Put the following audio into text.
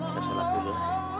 saya sholat dulu